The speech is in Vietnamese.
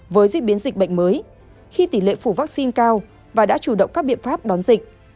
với diễn biến dịch bệnh mới khi tỷ lệ phủ vaccine cao và đã chủ động các biện pháp đón dịch